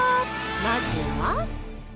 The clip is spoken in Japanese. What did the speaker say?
まずは。